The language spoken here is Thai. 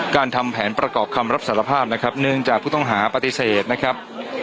ทำแผนประกอบคำรับสารภาพนะครับเนื่องจากผู้ต้องหาปฏิเสธนะครับ